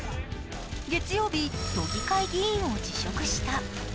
月曜日、都議会議員を辞職した。